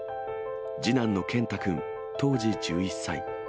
次男の健太君、当時１１歳。